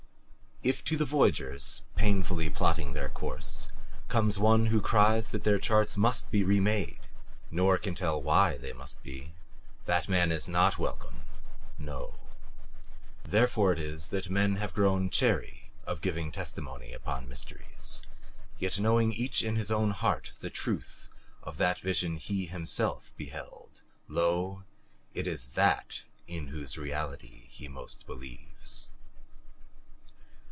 If to the voyagers, painfully plotting their course, comes one who cries that their charts must be remade, nor can tell WHY they must be that man is not welcome no! Therefore it is that men have grown chary of giving testimony upon mysteries. Yet knowing each in his own heart the truth of that vision he has himself beheld, lo, it is that in whose reality he most believes.